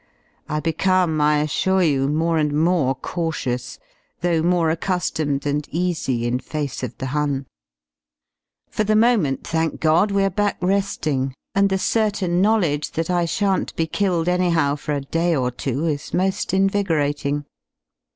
I become, I assure you, more and more cautious, though more accu^omed and easy.ui ^^ of th e^Hun. For the moment, thank God, we are back reding, and the certain knowledge that I shan't be killed anyhow for a ^ day or two is mo^ invigorating.